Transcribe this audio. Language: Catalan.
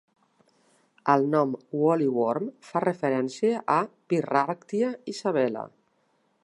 El nom "Woolly Worm" fa referència a "Pyrrharctia isabella".